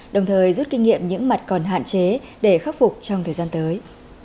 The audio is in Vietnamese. đồng thời rút kinh nghiệm những mặt còn hạn chế để khắc phục trong thời gian tới